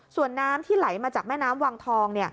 ส่วนน้ำที่ไหลมาจากแม่น้ำวังทอง